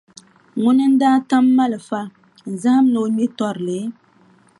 Ŋuni n-daa tam malifa n-zahim ni o ŋme tɔrili?